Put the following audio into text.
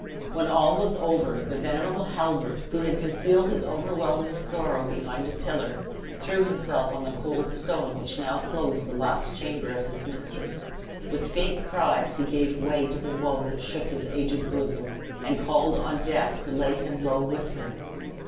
When all was over, the venerable Halbert, who had concealed his overwhelming sorrow behind a pillar, threw himself on the cold stone which now closed the last chamber of his mistress. With faint cries, he gave way to the woe that shook his aged bosom, and called on death to lay him low with her.